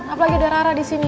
apalagi ada rara disini